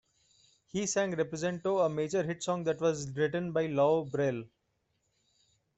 He sang "Represento", a major hit song that was written by Lou Briel.